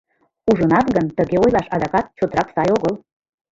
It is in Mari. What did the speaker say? — Ужынат гын, тыге ойлаш адакат чотрак сай огыл.